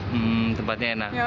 hmm tempatnya enak